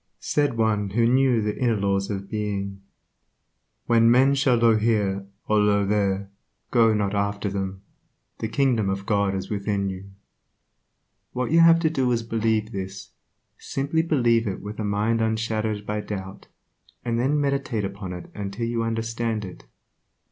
Said one who knew the inner laws of Being," When men shall say Io here, or Io there, go not after them; the kingdom of God is within you." What you have to do is to believe this, simply believe it with a mind unshadowed by doubt, and then meditate upon it till you understand it.